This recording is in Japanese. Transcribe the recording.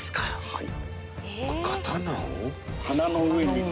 はい。